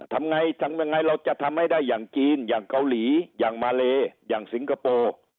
ทำยังไงเราจะทำให้ได้ทั้งจีนทั้งเกาหลีททั้งมาเลทั้งสิงคโป้